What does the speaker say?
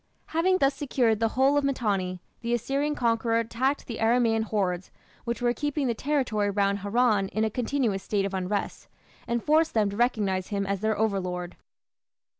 Having thus secured the whole of Mitanni, the Assyrian conqueror attacked the Aramaean hordes which were keeping the territory round Haran in a continuous state of unrest, and forced them to recognize him as their overlord.